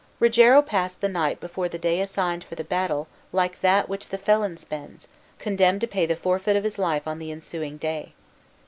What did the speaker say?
Rogero passed the night before the day assigned for the battle like that which the felon spends, condemned to pay the forfeit of his life on the ensuing day.